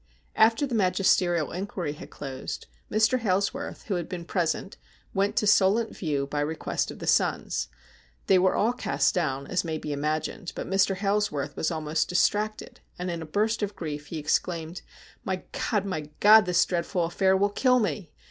After the magisterial inquiry had closed, Mr. Hailsworth, who bad been present, went to Solent View by request of the sons. They were all cast down, as may be imagined, but Mr. Hailsworth was almost distracted, and in a burst of grief he exclaimed :' My God ! my God ! this dreadful affair will kill me.